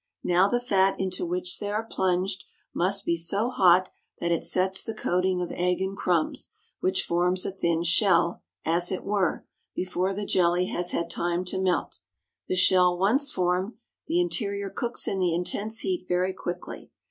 Now the fat into which they are plunged must be so hot that it sets the coating of egg and crumbs, which forms a thin shell, as it were, before the jelly has had time to melt; the shell once formed, the interior cooks in the intense heat very quickly.